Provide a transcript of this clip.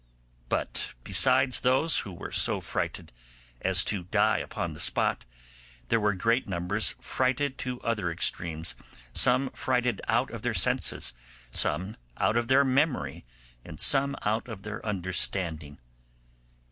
But besides those who were so frighted as to die upon the spot, there were great numbers frighted to other extremes, some frighted out of their senses, some out of their memory, and some out of their understanding.